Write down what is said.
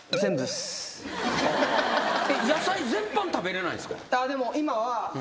えっ野菜全般食べれないんすか？